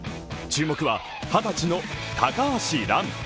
注目は２０歳の高橋藍。